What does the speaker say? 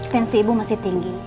tensi ibu masih tinggi